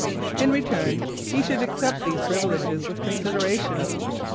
In return, he should accept these privileges with consideration.